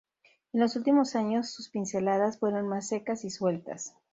En los últimos años sus pinceladas fueron más secas y sueltas.